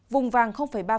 vùng vàng ba